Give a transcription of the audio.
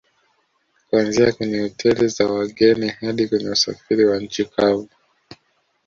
Kuanzia kwenye Hoteli za wageni hadi kwenye usafiri wa nchi kavu